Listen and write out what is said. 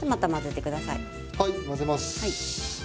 はい混ぜます！